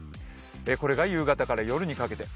これが夕方から夜にかけて。